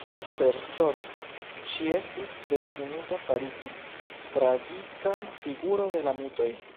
Per Sorto ŝi estis destinita fariĝi tragika figuro de la mitoj.